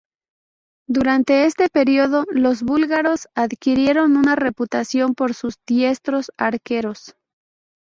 Durante este período, los búlgaros adquirieron una reputación por sus diestros arqueros.